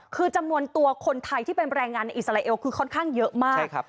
คือจำนวนตัวคนไทยที่เป็นแรงงานในอิสราเอลคือค่อนข้างเยอะมาก